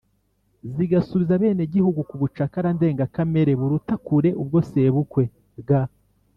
zigasubiza abenegihugu ku bucakara ndengakamere buruta kure ubwo sebukwe G